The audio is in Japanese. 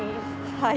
はい。